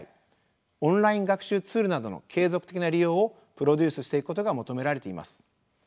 オンライン学習ツールなどの継続的な利用をプロデュースしていくことが求められています。